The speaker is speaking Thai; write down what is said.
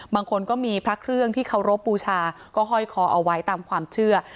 บางคนก็มีพระเครื่องที่เคารพบูชาก็ห้อยคอเอาไว้ตามความเชื่อ